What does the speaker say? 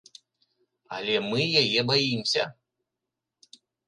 Але мы яе баімся.